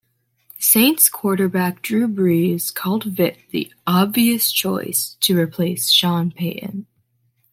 Saints quarterback Drew Brees called Vitt the "obvious choice" to replace Sean Payton.